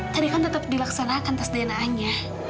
tadi kan tetap dilaksanakan tes dna nya